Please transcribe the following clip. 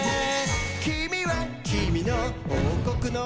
「きみはきみのおうこくの」